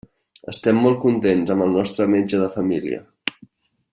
Estem molt contents amb el nostre metge de família.